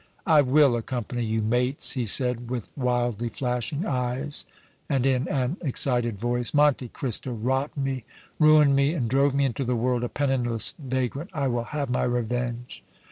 "I will accompany you, mates!" he said, with wildly flashing eyes and in an excited voice. "Monte Cristo robbed me, ruined me and drove me into the world a penniless vagrant! I will have my revenge!"